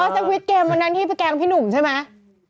อ๋อทาควิสเกมเมื่อนั้นที่ไปแกงพี่หนุ่มใช่มั้ย